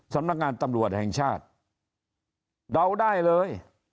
สำนักงานตำรวจแห่งชาติเดาได้เลย